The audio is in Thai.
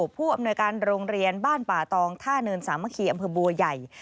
ผู้อำนวยการโรงเรียนบ้านป่าตองท่าเนินสามัคคีอำเภอบัวใหญ่